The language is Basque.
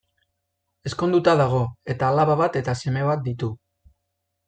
Ezkonduta dago, eta alaba bat eta seme bat ditu.